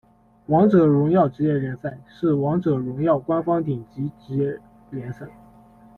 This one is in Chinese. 王者荣耀职业联赛，是王者荣耀官方顶级职业联赛。